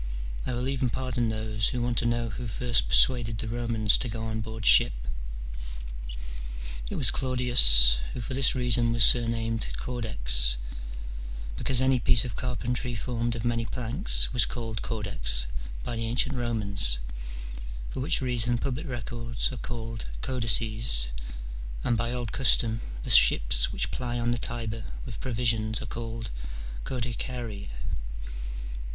I will even pardon those who want to know who first persuaded the Romans to go on board ship. It was Claudius, who for this reason was surnamed Caudex, because any piece of carpentry formed of many planks was called caudex by the ancient Romans, for which reason public records are called Codices, and by old custom the ships which ply on the Tiber with provisions are called codicariae.